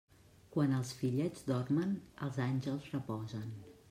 Quan els fillets dormen, els àngels reposen.